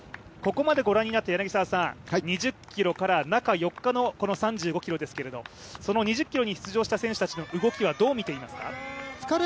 ここまでご覧になって、２０ｋｍから中４日のこの３５ｋｍですけれども、その２０ｋｍに出場した選手たちの動きは、どう見ていますか？